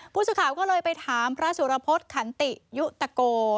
ผู้สื่อข่าวก็เลยไปถามพระสุรพฤษขันติยุตโก